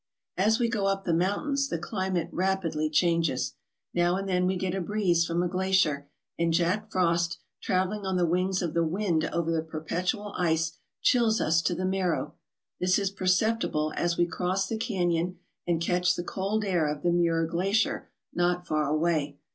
As we go up the mountains the climate rapidly changes. Now and then we get a breeze from a glacier, and Jack Frost, travelling on the wings of the wind over the perpetual ice, chills us to the marrow. This is per ceptible as we cross the canyon and catch the cold air of the Muir Glacier not far away.